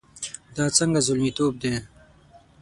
دا څنګه زلميتوب دی؟